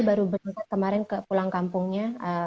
baru berangkat kemarin pulang kampungnya